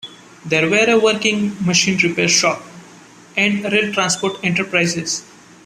There were a working machine repair shop, and rail transport enterprises.